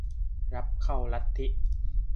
รับเข้าลัทธิ